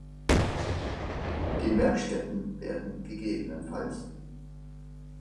Den Werkstätten werden ggf.